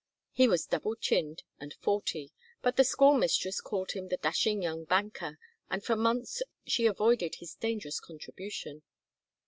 He was double chinned and forty, but the school mistress called him the dashing young banker, and for months she avoided his dangerous contribution.